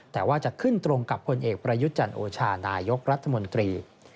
แต่ว่าจะขึ้นตรงกับผลเอกประยุทธ์จันโอชานายกรัฐมนตรี